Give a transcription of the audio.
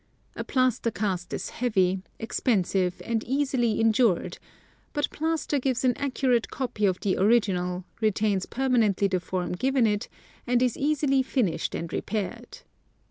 A plaster cast is heavy, expensive and easily injured ; but plaster gives an accurate copy of the original, retains permanently the form given it, and is easily finished and repaired.